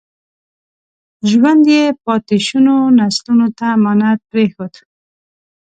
ژوند یې پاتې شونو نسلونو ته امانت پرېښود.